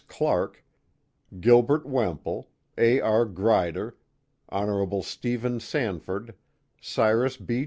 Clark, Gil bert Wemple, A. R. Grider, Hon. Stephen Sanford, Cyrus B.